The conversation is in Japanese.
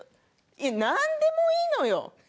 いやなんでもいいのよ。